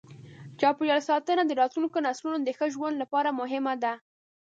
چاپېریال ساتنه د راتلونکو نسلونو د ښه ژوند لپاره مهمه ده.